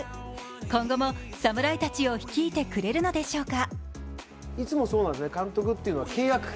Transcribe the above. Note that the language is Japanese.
今後も侍たちを率いてくれるのでしょうか？